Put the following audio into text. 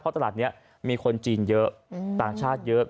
ตลาดนี้มีคนจีนเยอะต่างชาติเยอะ